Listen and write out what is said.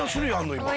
今。